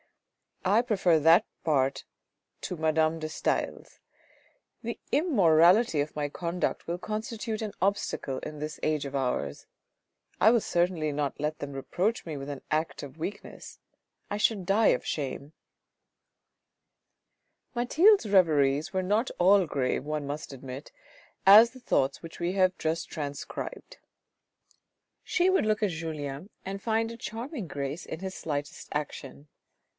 I prefer that part to Madame de Stael's ; the immorality of my conduct will constitute an obstacle in this age of ours. I will certainly not let them reproach me with an act of weakness ; I should die of shame." Mathilde's reveries were not all as grave, one must admit, as the thoughts which we have just transcribed 364 THE RED AND THE BLACK She would look at Julien and find a charming grace in hi slightest action.